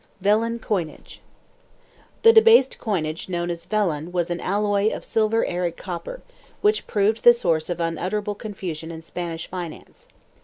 VELLON COINAGE. The debased coinage known as vellon was an alloy of silver and copper, which proved the source of unutterable confusion in Spanish finance.